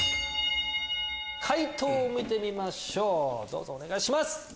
解答を見てみましょうお願いします！